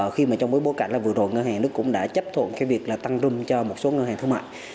khi mà trong bối cảnh vừa rồi ngân hàng nước cũng đã chấp thuận việc tăng rung cho một số ngân hàng thương mại